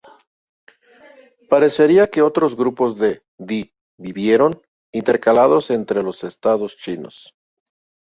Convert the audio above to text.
Parecería que otros grupos de Di vivieron intercalados entre los estados chinos.